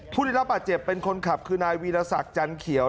ผู้ได้รับบาดเจ็บเป็นคนขับคือนายวีรศักดิ์จันเขียว